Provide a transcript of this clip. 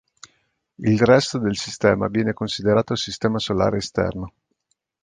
Il resto del sistema viene considerato sistema solare esterno.